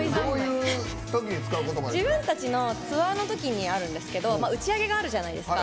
自分たちのツアーのときにあるんですけど打ち上げがあるじゃないですか。